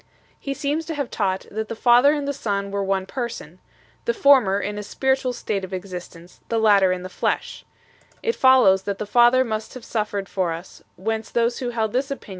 He seems to have taught, that the Father and the Son were one Person, the former in a spiritual state of existence, the latter in the flesh. It follows that the Father must have suffered for us, whence those who held this opinion re ceived the name of. Patripassians 6 . 1 Euseb.